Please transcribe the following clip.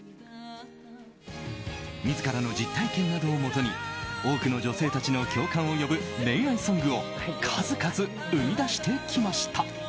自らの実体験などをもとに多くの女性たちの共感を呼ぶ恋愛ソングを数々生み出してきました。